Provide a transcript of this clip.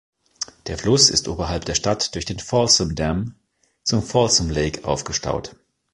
Der Fluss ist oberhalb der Stadt durch den Folsom Dam zum Folsom Lake aufgestaut.